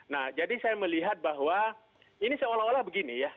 nah jadi saya melihat bahwa ini seolah olah begini ya